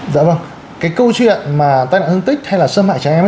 dạ vâng cái câu chuyện mà tai nạn thương tích hay là xâm hại trẻ em